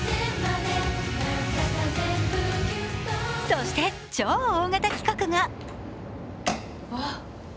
そして、超大型企画が。